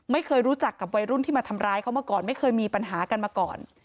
ไม่เคยรู้จักกับวัยรุ่นที่มาทำร้ายเขามาก่อนไม่เคยมีปัญหากันมาก่อน